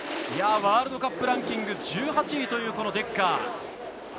ワールドカップランキング１８位というデッカー。